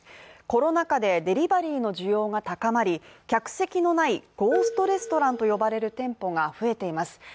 コロナ禍でデリバリーの需要が高まり、客席のないゴーストレストランと呼ばれる店舗が増えています。